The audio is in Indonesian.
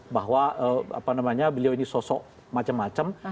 bahwa beliau ini sosok macam macam